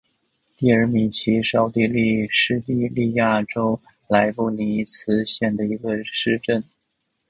蒂尔米奇是奥地利施蒂利亚州莱布尼茨县的一个市镇。